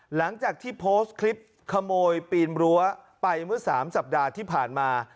หลังจากที่โพสต์คลิปขโมยปีนรั้วไปเมื่อ๓สัปดาห์ที่ผ่านมา